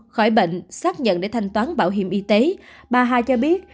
khỏi bệnh xác nhận để thanh toán bảo hiểm y tế bà hai cho biết